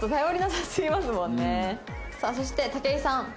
さあそして武井さん。